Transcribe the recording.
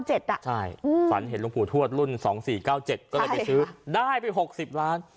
ใช่ฝันเห็นหลวงปู่ทวดรุ่น๒๔๙๗ก็เลยไปซื้อได้ไป๖๐ล้าน